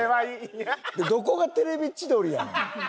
どこが『テレビ千鳥』やねん。